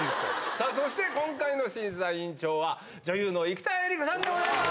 さあ、そして今回の審査委員長は、女優の生田絵梨花さんでございます。